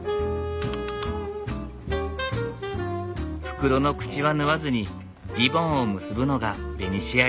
袋の口は縫わずにリボンを結ぶのがベニシア流。